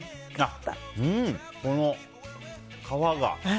この皮が。